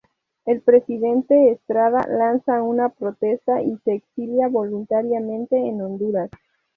El Presidente Estrada lanza una protesta y se exilia voluntariamente en Honduras.